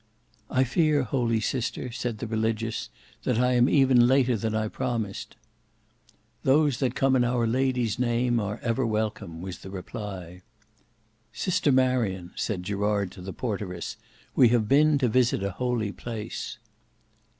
"I fear, holy sister," said the Religious, "that I am even later than I promised." "Those that come in our lady's name are ever welcome," was the reply. "Sister Marion," said Gerard to the porteress, "we have been to visit a holy place."